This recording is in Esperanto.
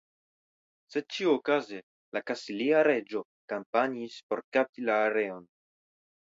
Sed ĉiuokaze la kastilia reĝo kampanjis por kapti la areon.